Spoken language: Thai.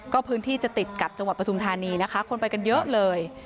ก็พื้นที่จะติดกับจังหวัดปฐุมธานีนะคะคนไปกันเยอะเลย